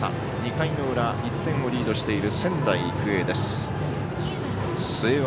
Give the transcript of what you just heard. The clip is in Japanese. ２回の裏、１点をリードしている仙台育英です。